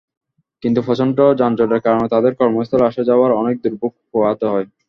কিন্তু প্রচণ্ড যানজটের কারণে তাঁদের কর্মস্থলে আসা-যাওয়ায় অনেক দুর্ভোগ পোহাতে হয়।